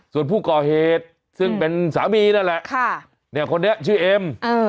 ส่วนผู้ก่อเหตุซึ่งเป็นสามีนั่นแหละคนนี้ชื่อเอ็ม